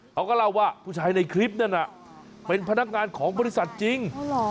เขาก็เล่าว่าผู้ชายในคลิปนั้นเป็นพนักงานของบริษัทจริง